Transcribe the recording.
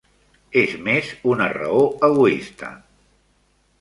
És més una raó egoista.